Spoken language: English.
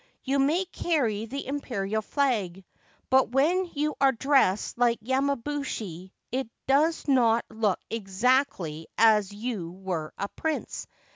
You may carry the Imperial flag ; but when you are dressed like yamabushi it does not look exactly as if you were a prince.